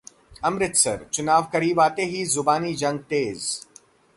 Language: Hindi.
अमृतसर: चुनाव करीब आते ही जुबानी जंग तेज